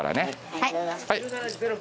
はい。